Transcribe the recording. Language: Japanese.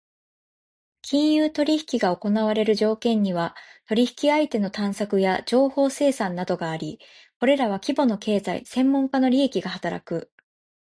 金融取引が行われる条件には、取引相手の探索や情報生産などがあり、これらは規模の経済・専門家の利益が働く。